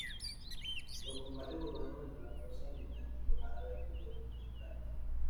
Los combates urbanos entre las fuerzas británicas y los árabes destruyeron muchas calles.